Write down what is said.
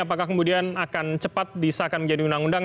apakah kemudian akan cepat bisa akan menjadi undang undang